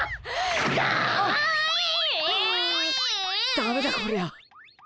ダメだこりゃ。